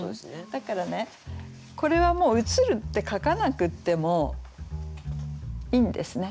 だからねこれはもう「映る」って書かなくってもいいんですね。